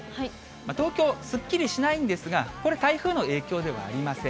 東京、すっきりしないんですが、これ、台風の影響ではありません。